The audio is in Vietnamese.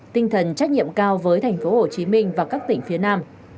tinh thần trách nhiệm cao với thành phố hồ chí minh và các tỉnh phía nam